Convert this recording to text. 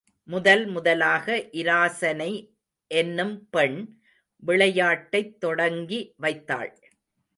முதல் முதலாக இராசனை என்னும் பெண் விளையாட்டைத் தொடங்கி வைத்தாள்.